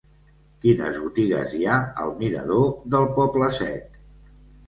Quines botigues hi ha al mirador del Poble Sec?